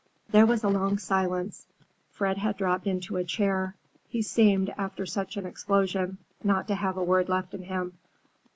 There was a long silence. Fred had dropped into a chair. He seemed, after such an explosion, not to have a word left in him.